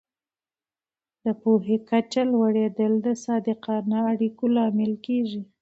د پوهې کچه لوړېدل د صادقانه اړیکو لامل کېږي.